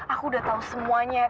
aku udah tau semuanya